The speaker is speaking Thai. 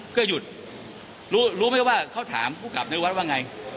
ก็หยุดรู้ไหมว่าเขาถามผู้กลับนิรวัติว่าไง